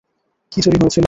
কী চুরি হয়েছিল?